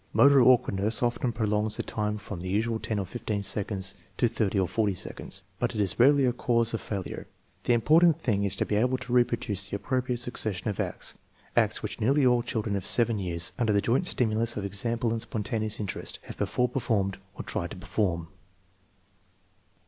Motor awkwardness often prolongs the time from the usual ten or fifteen seconds to thirty or forty seconds, but it is rarely a cause of a fail ure. The important thing is to be able to reproduce the appropriate succession of acts, acts which nearly all chil dren of 7 years, under the joint stimulus of example and spontaneous interest, have before performed or tried to perform.